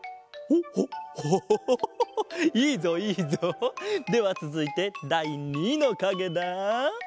ほうほうオホホホホいいぞいいぞ！ではつづいてだい２のかげだ。